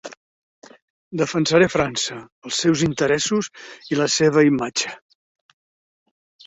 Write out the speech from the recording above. Defensaré França, els seus interessos i la seva imatge.